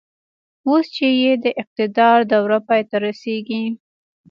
اوس چې يې د اقتدار دوره پای ته رسېږي.